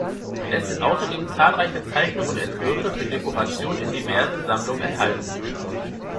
Es sind außerdem zahlreiche Zeichnungen und Entwürfe für Dekorationen in diversen Sammlungen erhalten.